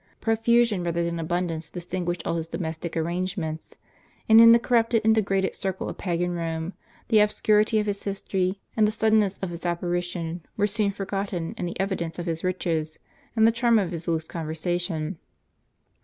Profusion rather than abundance distinguished all his domestic arrangements ; and, in the corrupted and degraded circle of pagan Rome, the obscurity of his history, and the suddenness of his apparition, were soon forgotten in the evidence of his riches, and the charm of his loose conversation.